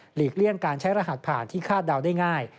เลี่ยงการใช้รหัสผ่านที่คาดเดาได้ง่าย